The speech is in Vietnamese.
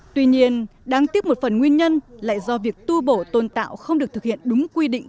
tuy nhiên đáng tiếc một phần nguyên nhân lại do việc tu bổ tôn tạo không được thực hiện đúng quy định